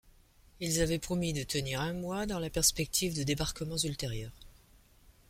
Ils avaient promis de tenir un mois dans la perspective de débarquements ultérieurs.